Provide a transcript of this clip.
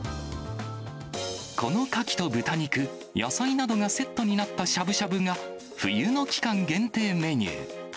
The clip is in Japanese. このカキと豚肉、野菜などがセットになったしゃぶしゃぶが、冬の期間限定メニュー。